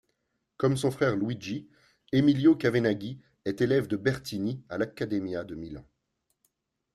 Comme son frère Luigi, Emilio Cavenaghi est élève de Bertini à l'Accademia de Milan.